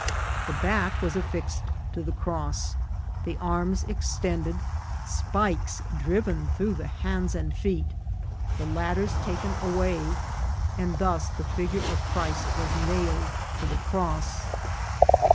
The back was affixed to the cross, the arms extended, spikes DESCENT FROM THE CROSS. 213 driven through the hands and feet, the ladders taken away, and thus the figure of Christ was nailed to the cross.